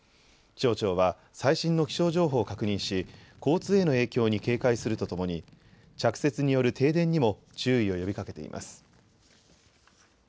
気象庁は最新の気象情報を確認し交通への影響に警戒するとともに着雪による停電にも注意を呼びかけています。